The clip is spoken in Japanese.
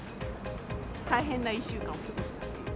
大変な１週間を過ごしたっていう。